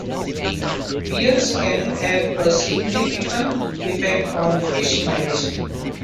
Weirs can have a significant effect on fish migration.